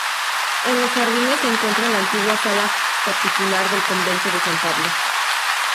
En los jardines se encuentra la antigua sala capitular del convento de San Pablo.